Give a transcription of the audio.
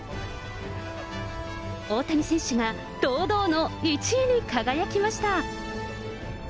大谷選手が堂々の１位に輝きました。